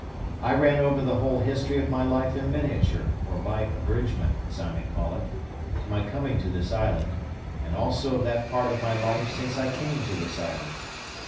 I ran over the whole history of my life in miniature, or by abridgment, as I may call it, to my coming to this island, and also of that part of my life since I came to this island.